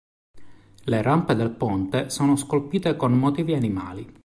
Le rampe del ponte sono scolpite con motivi animali.